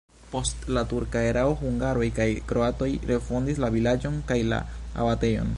Post la turka erao hungaroj kaj kroatoj refondis la vilaĝon kaj la abatejon.